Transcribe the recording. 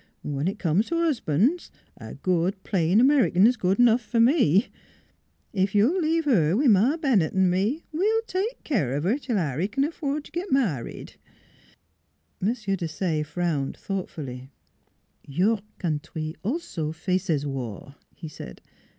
... When it comes t' husban's, a good, plain American is good enough fer me. ... Ef you'll leave her with Ma Bennett 'n' me we'll take keer of her till Harry c'n afford t' git married." M. Desaye frowned thoughtfully. " Your country also faces war," he said.